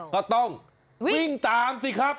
ก็ต้องวิ่งตามสิครับ